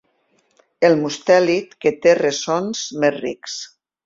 El mustèlid que té ressons més rics.